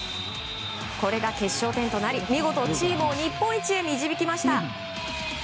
これが決勝点となり、見事チームを日本一へ導きました。